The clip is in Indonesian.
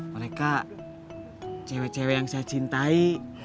mereka cewek cewek yang saya cintai